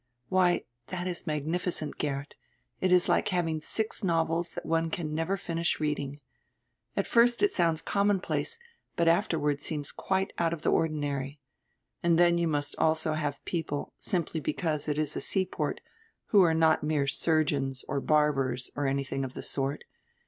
"Why, that is magnificent, Geert. It is like having six novels that one can never finish reading. At first it sounds commonplace, but afterward seems quite out of the ordi nary. And then you must also have people, simply because it is a seaport, who are not mere surgeons or barbers or anything of the sort.